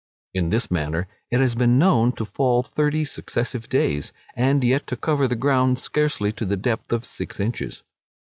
In this manner it has been known to fall thirty successive days, and yet to cover the ground scarcely to the depth of six inches.